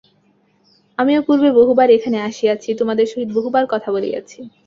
আমিও পূর্বে বহুবার এখানে আসিয়াছি, তোমাদের সহিত বহুবার কথা বলিয়াছি।